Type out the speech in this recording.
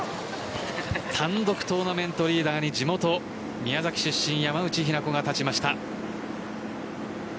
単独トーナメントリーダーに地元・宮崎出身山内日菜子が立ちました。